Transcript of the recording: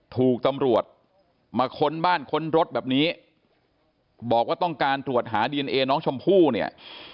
ถูกตำรวจมาค้นบ้านค้นรถแบบนี้บอกว่าต้องการตรวจหาดีเอนเอน้องชมพู่เนี่ย